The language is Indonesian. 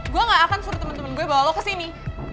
gue gak akan suruh temen temen gue bawa lo kesini